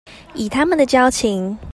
以他們的交情